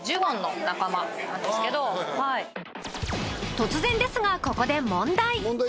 突然ですがここで問題。